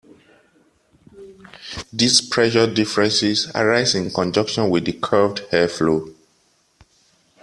These pressure differences arise in conjunction with the curved air flow.